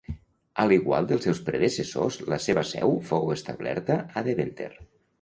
A l'igual dels seus predecessors, la seva seu fou establerta a Deventer.